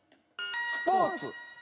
「スポーツ」。